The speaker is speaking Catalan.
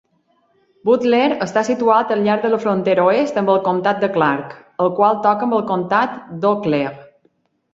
Butler està situat al llarg de la frontera oest amb el comtat de Clark, el qual toca amb el comtat d'Eau Claire.